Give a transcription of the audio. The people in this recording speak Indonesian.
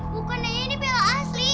bukannya ini bella asli